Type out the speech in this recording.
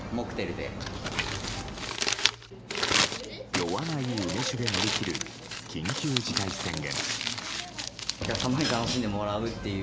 酔わない梅酒で乗り切る緊急事態宣言。